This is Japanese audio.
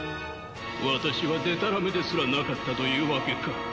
私はでたらめですらなかったというわけか。